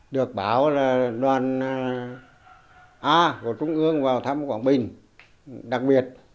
được báo là đoàn a của trung ương vào thăm quảng bình đặc biệt